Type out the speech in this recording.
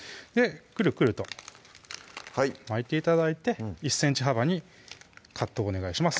くるくると巻いて頂いて１ｃｍ幅にカットをお願いします